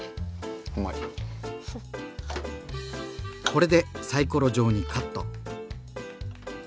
これでサイコロ状にカット。